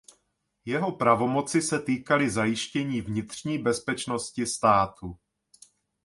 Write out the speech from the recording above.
Jeho pravomoci se týkaly zajištění vnitřní bezpečnosti státu.